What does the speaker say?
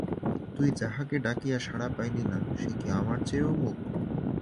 তুই যাহাকে ডাকিয়া সাড়া পাইলি না সে কি আমার চেয়েও মূক।